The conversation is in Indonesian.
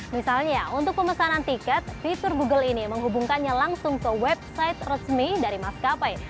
misalnya untuk pemesanan tiket fitur google ini menghubungkannya langsung ke website resmi dari maskapai